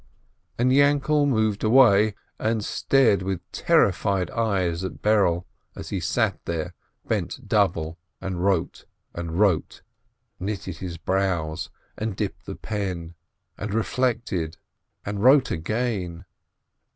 and Yainkele moved away, and stared with terrified eyes at Berele, as he sat there, bent double, THE TWO BROTHERS 403 and wrote and wrote, knitted his brows, and dipped the pen, and reflected, and wrote again.